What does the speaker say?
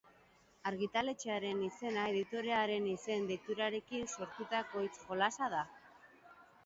Argitaletxearen izena editorearen izen-deiturekin sortutako hitz-jolasa da.